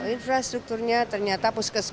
infrastrukturnya ternyata puskesun